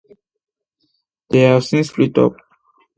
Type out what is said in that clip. They have since split up.